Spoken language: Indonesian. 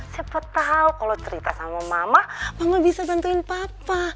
siapa tahu kalau cerita sama mama gak bisa bantuin papa